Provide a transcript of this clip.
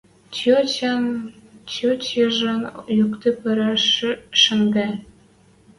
Тьотяжын юкшы пыра шӹжгӓ: